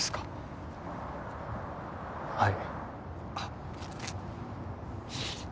はい。